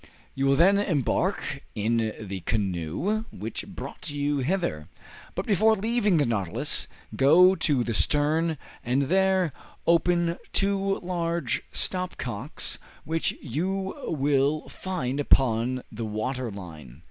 You will then embark in the canoe which brought you hither; but, before leaving the 'Nautilus,' go to the stern and there open two large stop cocks which you will find upon the water line.